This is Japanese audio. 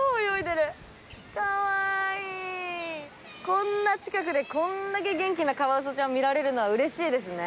こんな近くでこれだけ元気なカワウソちゃん見られるのは嬉しいですね。